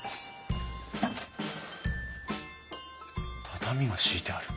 畳が敷いてある。